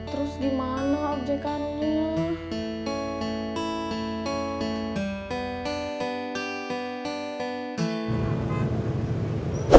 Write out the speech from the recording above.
terus gimana objekannya